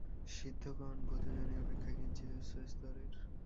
সিদ্ধগণ ভূতযোনি অপেক্ষা কিঞ্চিৎ উচ্চস্তরের।